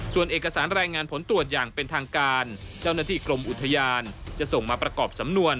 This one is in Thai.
ส่วนเอกสารรายงานผลตรวจอย่างเป็นทางการเจ้าหน้าที่กรมอุทยานจะส่งมาประกอบสำนวน